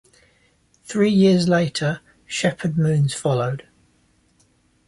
Three years later, "Shepherd Moons" followed.